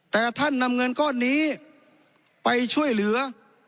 แต่ท่านนำเงินก้อนนี้ไปช่วยเหลือ